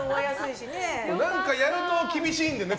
何かやると厳しいんでね